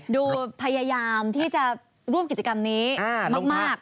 พยายามที่จะร่วมกิจกรรมนี้มาก